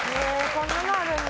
こんなのあるんだ。